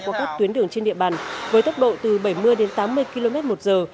qua các tuyến đường trên địa bàn với tốc độ từ bảy mươi đến tám mươi km một giờ